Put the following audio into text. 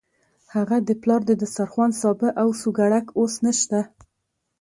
هغه د پلار د دسترخوان سابه او سوکړک اوس نشته.